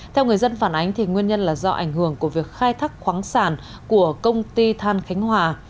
theo người dân phản ánh nguyên nhân là do ảnh hưởng của việc khai thác khoáng sản của công ty than khánh hòa